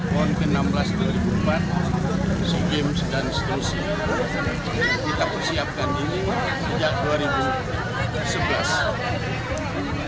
pon ke enam belas dua ribu empat sea games dan seterusnya kita persiapkan ini sejak dua ribu sebelas